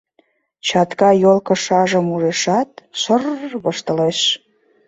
Чатка йолкышажым ужешат, шыр-р воштылеш...